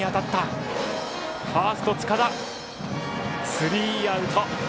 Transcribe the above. スリーアウト。